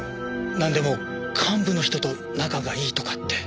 なんでも幹部の人と仲がいいとかって。